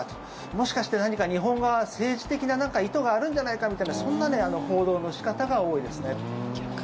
もしかして何か日本側、政治的な意図があるんじゃないかみたいなそんな報道の仕方が多いですね。